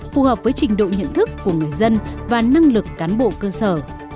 phù hợp với trình độ nhận thức của người dân và năng lực cán bộ cơ sở